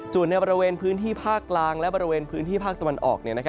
ส่วนในบริเวณพื้นที่ภาคกลางและบริเวณพื้นที่ภาคตะวันออก